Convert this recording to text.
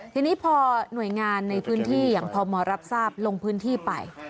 ทีนี้พอหน่วยงานในพื้นที่อย่างพมรับทราบลงพื้นที่ไป